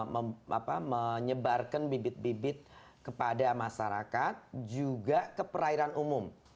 menyebarkan bibit bibit kepada masyarakat juga ke perairan umum